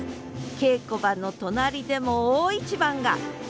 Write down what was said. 稽古場の隣でも大一番が！